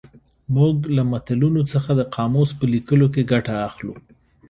موږ له متلونو څخه د قاموس په لیکلو کې ګټه اخلو